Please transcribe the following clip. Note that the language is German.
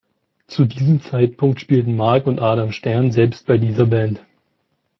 Zu diesem Zeitpunkt spielten Mark und Adam Stern selbst bei dieser Band.